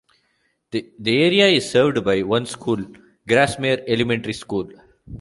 The area is served by one school, Grasmere Elementary School.